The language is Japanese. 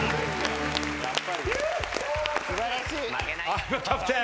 相葉キャプテン。